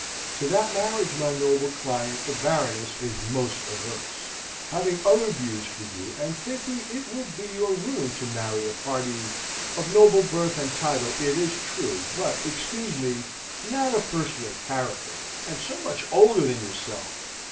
"To that marriage my noble client, the Baroness, is most averse having other views for you, and thinking it will be your ruin to marry a party, of noble birth and title it is true; but, excuse me, not of first rate character, and so much older than yourself.